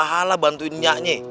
ngejar pahala bantuin nyak nyek